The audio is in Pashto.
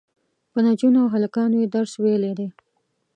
په نجونو او هلکانو یې درس ویلی دی.